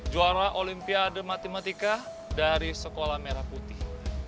juara olimpiade matematika dari sekolah merah putih